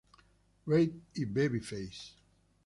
Reid y Babyface.